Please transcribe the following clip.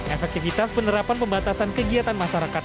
efektivitas penerapan pembatasan kegiatan masyarakat